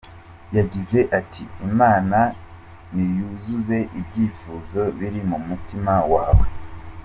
Yagize ati “Imana niyuzuze ibyifuzo biri mu mutima wawe.